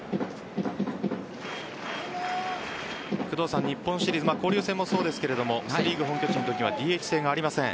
工藤さん、日本シリーズ交流戦もそうですがセ・リーグ本拠地のときはＤＨ制がありません。